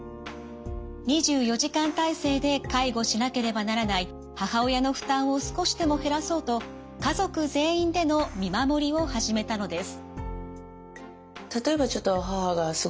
２４時間体制で介護しなければならない母親の負担を少しでも減らそうと家族全員での見守りを始めたのです。